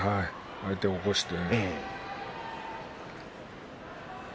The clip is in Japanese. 相手を起こして。